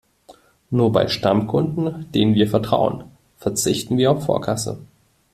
Nur bei Stammkunden, denen wir vertrauen, verzichten wir auf Vorkasse.